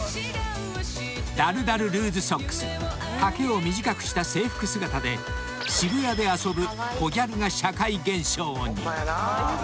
［だるだるルーズソックス丈を短くした制服姿で渋谷で遊ぶコギャルが社会現象に］